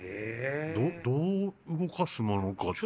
どう動かすものか。